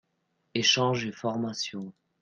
Echange et formation.